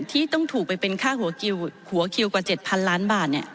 ที่ต้องถูกไปเป็นค่าหัวคิวกว่า๗๐๐ล้านบาท